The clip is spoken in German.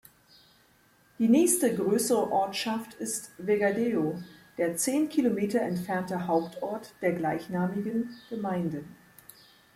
Die nächste größere Ortschaft ist Vegadeo, der zehn Kilometer entfernte Hauptort der gleichnamigen Gemeinde.